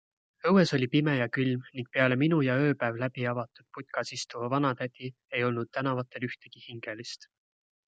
Õues oli pime ja külm ning peale minu ja ööpäev läbi avatud putkas istuva vanatädi ei olnud tänavatel ühtegi hingelist.